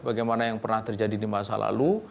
bagaimana yang pernah terjadi di masa lalu